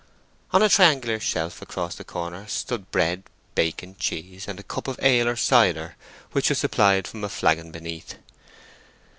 On a triangular shelf across the corner stood bread, bacon, cheese, and a cup for ale or cider, which was supplied from a flagon beneath.